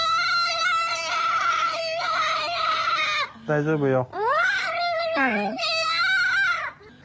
大丈夫よ。